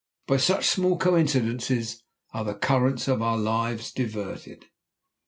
By such small coincidences are the currents of our lives diverted.